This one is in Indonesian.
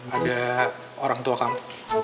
ada orang tua kamu